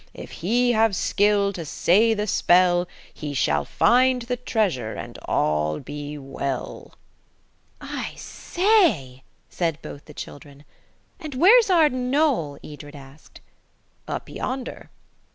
If he have skill to say the spell He shall find the treasure, and all be well!" "I say!" said both the children. "And where's Arden Knoll?" Edred asked. "Up yonder."